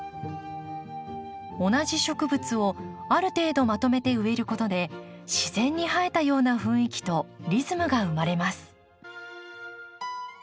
同じ植物をある程度まとめて植えることで自然に生えたような雰囲気とリズムが生まれます。